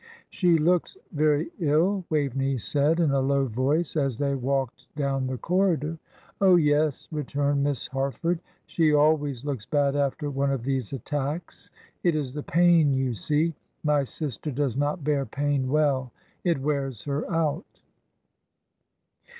"She looks very ill," Waveney said, in a low voice, as they walked down the corridor. "Oh, yes," returned Miss Harford, "she always looks bad after one of these attacks; it is the pain, you see my sister does not bear pain well; it wears her out."